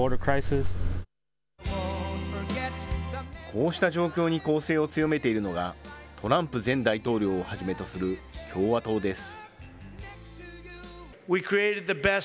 こうした状況に攻勢を強めているのが、トランプ前大統領をはじめとする共和党です。